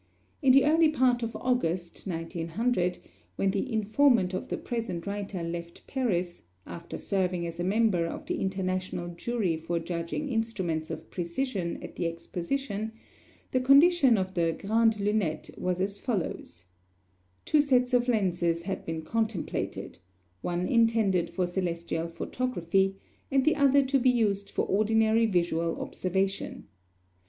In the early part of August, 1900, when the informant of the present writer left Paris, after serving as a member of the international jury for judging instruments of precision at the Exposition, the condition of the Grande Lunette was as follows: Two sets of lenses had been contemplated, one intended for celestial photography, and the other to be used for ordinary visual observation.